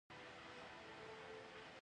د وخت نه مخکښې بوډا کړے وۀ ـ